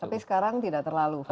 tapi sekarang tidak terlalu